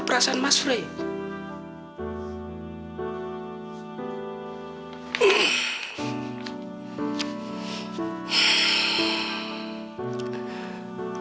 perasaan mas praet